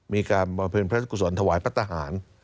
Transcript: มีการบริเวณพระเจ้ากุศลถวายพัทธหาร